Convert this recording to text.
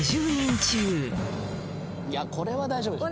いやこれは大丈夫でしょ。